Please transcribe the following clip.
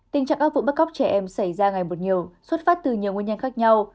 tình trạng các vụ bắt cóc trẻ em xảy ra ngày một nhiều xuất phát từ nhiều nguyên nhân khác nhau